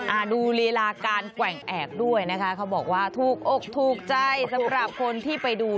อ่าดูลีลาการแกว่งแอบด้วยนะคะเขาบอกว่าถูกอกถูกใจสำหรับคนที่ไปดู